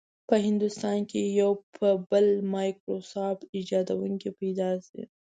په هندوستان کې به یو بل مایکروسافټ ایجادونکی پیدا شي.